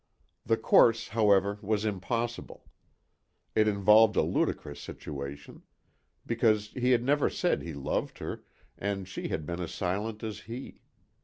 The course, however, was impossible. It involved a ludicrous situation. Because he had never said he loved her and she had been as silent as he.